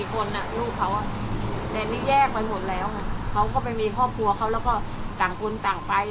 คนลูกเขาแต่นี่แยกไปหมดแล้วไงเขาก็ไปมีครอบครัวเขาแล้วก็ต่างคนต่างไป